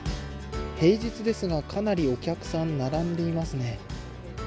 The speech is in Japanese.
平日ですが、かなりお客さん、並んでいますね。